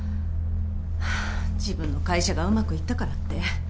自分の会社がうまくいったからって。